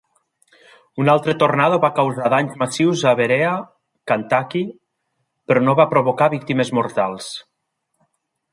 Un altre tornado va causar danys massius a Berea, Kentucky, però no va provocar víctimes mortals.